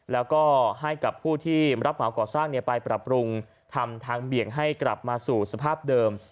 แล้วก็ให้กับผู้ที่รับเหมาก่อสร้างไปปรับปรุงทำทางเบี่ยงให้กลับมาสู่สภาพเดิม